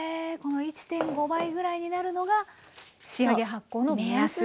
この１．５倍ぐらいになるのが仕上げ発酵の目安。